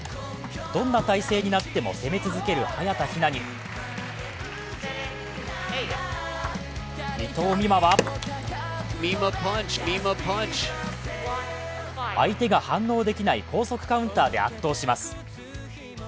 どんな体勢になっても攻め続ける早田ひなに伊藤美誠は相手が反応できない高速カウンターで圧倒します。